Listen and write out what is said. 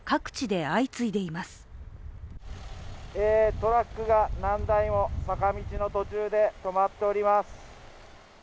トラックが何台も坂道の途中で止まっております。